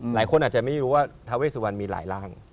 หลายคนอาจจะไม่รู้ว่าทาเวสุวรรณมีหลายร่าง